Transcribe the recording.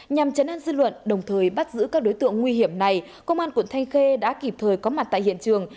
nhằm chấn an dư luận đồng thời bắt giữ các đối tượng nguy hiểm này công an quận thanh khê đã kịp thời có mặt tại hiện trường